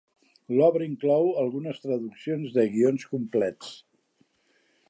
L'obra inclou algunes traduccions de guions complets.